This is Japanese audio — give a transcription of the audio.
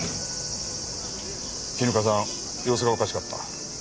絹香さん様子がおかしかった。